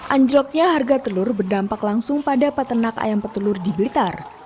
anjloknya harga telur berdampak langsung pada peternak ayam petelur di blitar